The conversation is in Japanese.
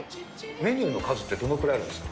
メニューの数ってどのくらいあるんですか？